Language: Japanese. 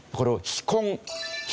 「非」婚。